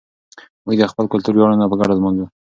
موږ د خپل کلتور ویاړونه په ګډه لمانځو.